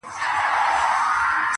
وزیر وویل زما سر ته دي امان وي!!